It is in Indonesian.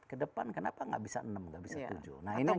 ke depan kenapa nggak bisa enam nggak bisa tujuh